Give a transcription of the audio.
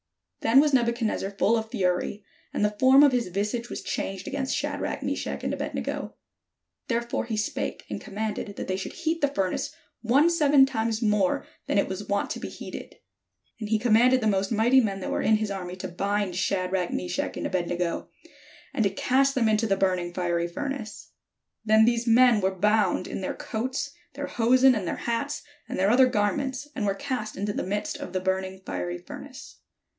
Then was Nebuchadnezzar full of fury, and the form of his visage was changed against Shadrach, Meshach, and Abed nego: therefore he spake, and commanded that they should heat the furnace one seven times more than it was wont to be heated. And he commanded the most mighty men that were in his army to bind Sha drach, Meshach, and Abed nego, and to cast them into the burning fiery furnace. Then these men were bound in their coats, their hosen, and their hats, and their other garments, and were cast into the midst of the burning fiery furnace.